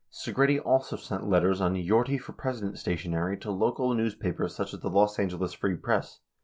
Segretti also sent letters on "Yorty for President" stationery to local newspapers such as the Los Angeles Free Press.